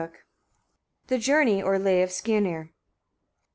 ] THE JOURNEY OR LAY OF SKIRNIR.